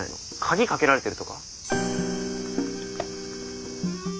鍵かけられてるとか？